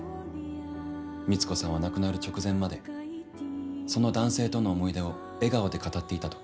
光子さんは亡くなる直前までその男性との思い出を笑顔で語っていたと。